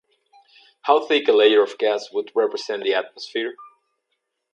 How thick a layer of gas would represent the atmosphere?